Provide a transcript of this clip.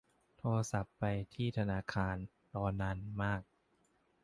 โทรศัพท์ไปที่ธนาคาร รอนานมาก